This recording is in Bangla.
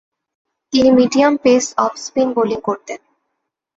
তিনি মিডিয়াম-পেস অফ স্পিন বোলিং করতেন।